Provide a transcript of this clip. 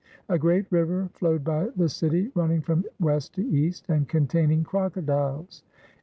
A great river flowed by the city, running from west to east, and containing crocodiles.